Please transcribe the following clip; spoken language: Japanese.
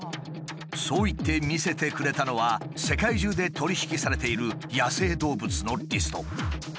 そう言って見せてくれたのは世界中で取り引きされている野生動物のリスト。